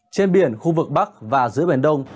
trên biển khu vực bắc và giữa biển đông